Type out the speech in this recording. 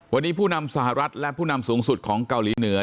วันนี้ผู้นำสหรัฐและผู้นำสูงสุดของเกาหลีเหนือ